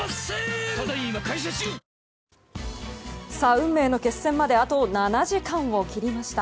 運命の決戦まであと７時間を切りました。